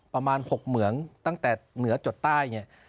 ประมาณ๖เหมืองตั้งแต่เหนือจดใต้เนี่ย